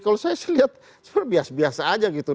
kalau saya lihat biasa biasa saja gitu